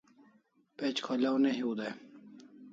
Page kholaw ne hiu dai